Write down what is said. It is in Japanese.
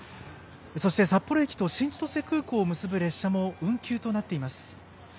そして札幌駅と新千歳空港を結ぶ列車も運休となっています。